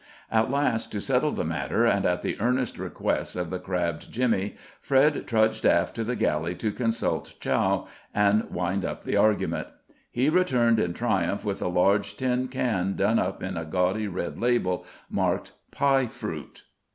At last, to settle the matter, and at the earnest request of the crabbed Jimmy, Fred trudged aft to the galley to consult Chow and wind up the argument. He returned in triumph with a large tin can done up in a gaudy red label marked "Pie Fruit."